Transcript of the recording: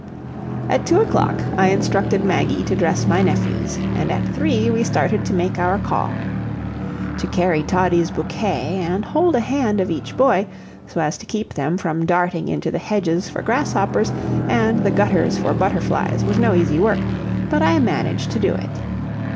At two o'clock I instructed Maggie to dress my nephews, and at three we started to make our call. To carry Toddie's bouquet, and hold a hand of each boy so as to keep them from darting into the hedges for grasshoppers, and the gutters for butterflies, was no easy work, but I managed to do it.